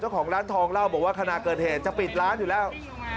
เจ้าของร้านทองเล่าบว่าคณะเกินเหนจะปิดร้านอยู่แล้ว